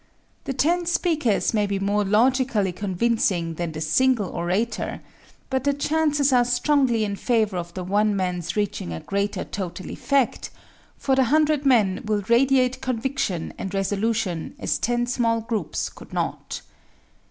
The ten speakers may be more logically convincing than the single orator, but the chances are strongly in favor of the one man's reaching a greater total effect, for the hundred men will radiate conviction and resolution as ten small groups could not.